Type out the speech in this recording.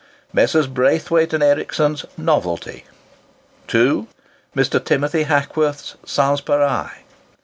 Messrs. Braithwaite and Ericsson's "Novelty." 2. Mr. Timothy Hackworth's "Sanspareil."